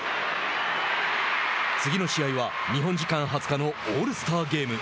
次の試合は日本時間２０日のオールスターゲーム。